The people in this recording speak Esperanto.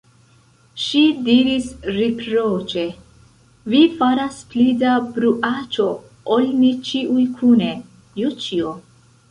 Ŝi diris riproĉe: "Vi faras pli da bruaĉo ol ni ĉiuj kune, Joĉjo".